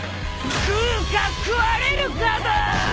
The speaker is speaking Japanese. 食うか食われるかだ！！